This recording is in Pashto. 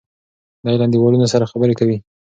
دی له دیوالونو سره خبرې کوي.